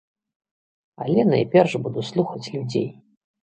Але найперш буду слухаць людзей.